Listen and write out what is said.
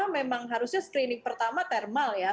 memang harusnya screening pertama thermal ya